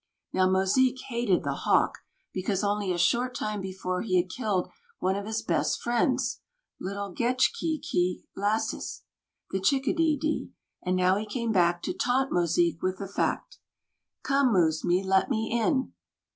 Now Mosique hated the Hawk, because only a short time before he had killed one of his best friends, little "Getchkī kī lāssis," the Chickadeedee, and now he came back to taunt Mosique with the fact. "Come, Mūsmī, let me in."